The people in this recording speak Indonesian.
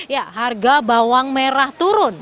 ya harga bawang merah turun